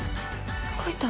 動いた。